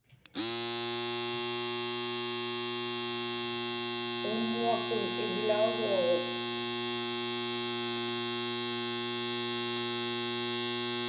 Unnuakun iglauruagut.